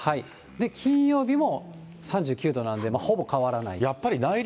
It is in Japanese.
金曜日も３９度なんでほぼ変わらない。